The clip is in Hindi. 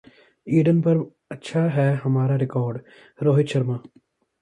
ईडन पर अच्छा है हमारा रिकॉर्डः रोहित शर्मा